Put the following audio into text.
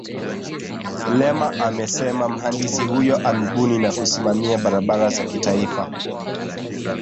Lema amesema mhandisi huyo amebuni na kusimamia barabara za kitaifa